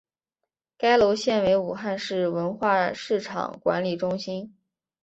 该楼现为武汉市文化市场管理中心。